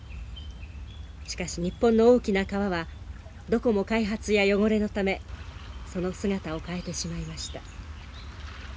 しかし日本の大きな川はどこも開発や汚れのためその姿を変えてしまいました。